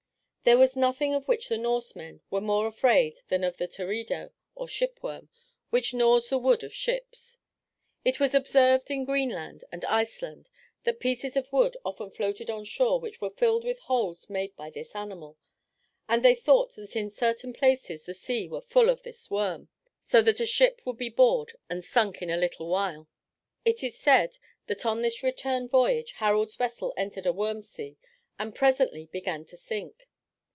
There was nothing of which the Norsemen were more afraid than of the teredo, or shipworm, which gnaws the wood of ships. It was observed in Greenland and Iceland that pieces of wood often floated on shore which were filled with holes made by this animal, and they thought that in certain places the seas were full of this worm, so that a ship would be bored and sunk in a little while. It is said that on this return voyage Harald's vessel entered a worm sea and presently began to sink.